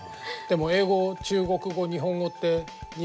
でも英語中国語日本語って似てた？